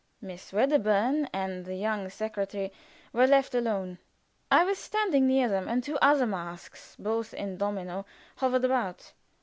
Miss Wedderburn and the young secretary were left alone. I was standing near them, and two other masks, both in domino, hoveredää about.